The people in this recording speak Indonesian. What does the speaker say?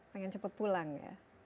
pengen cepat pulang ya